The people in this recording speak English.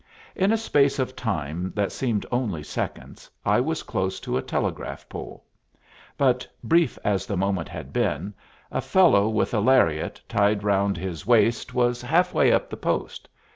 In a space of time that seemed only seconds, I was close to a telegraph pole; but, brief as the moment had been, a fellow with a lariat tied round his waist was half way up the post.